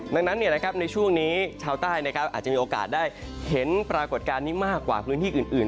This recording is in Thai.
ดังนั้นในช่วงนี้ชาวใต้อาจจะมีโอกาสได้เห็นปรากฏการณ์นี้มากกว่าพื้นที่อื่น